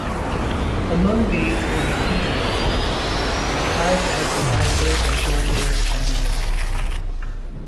Among these were the Susu who carved out the sizeable though short-lived Kaniaga.